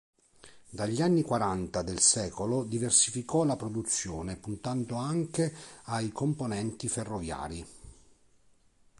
Dagli anni Quaranta del secolo diversificò la produzione puntando anche ai componenti ferroviari.